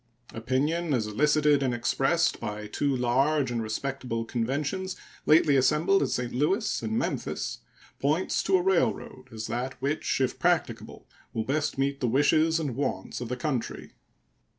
Opinion, as elicited and expressed by two large and respectable conventions lately assembled at St. Louis and Memphis, points to a railroad as that which, if practicable, will best meet the wishes and wants of the country.